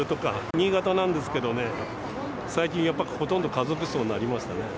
新潟なんですけどね、最近、やっぱほとんど家族葬になりましたね。